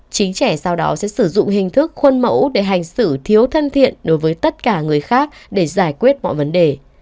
chính trẻ sau đó sẽ sử dụng hình thức khuôn mẫu để hành xử thiếu thân thiện đối với tất cả người khác để giải quyết mọi vấn đề